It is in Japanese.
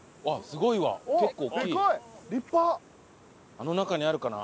あの中にあるかな？